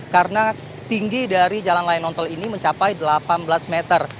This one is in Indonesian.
karena tinggi dari jalan layang nontol ini mencapai delapan belas meter